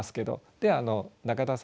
では中田さん